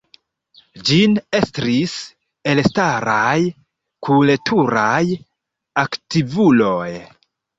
Ĝin estris elstaraj kulturaj aktivuloj.